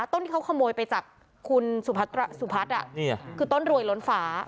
ต้นเขาขโมยไปจากคุณสุภัทรสุภัทรอ่ะนี่อ่ะคือต้นรวยล้นฟ้า